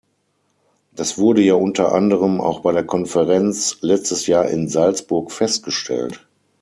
Das wurde ja unter anderem auch bei der Konferenz letztes Jahr in Salzburg festgestellt.